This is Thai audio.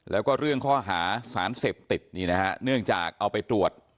และเรื่องก่อหาสารเสพติดเนื่องจากเอาไปตรวจ